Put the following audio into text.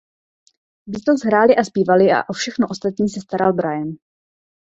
Beatles hráli a zpívali a o všechno ostatní se staral Brian.